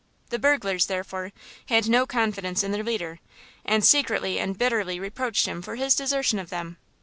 The burglars, therefore, had no confidence in their leader, and secretly and bitterly reproached him for his desertion of them.